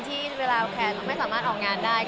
ที่เวลาแขกไม่สามารถออกงานได้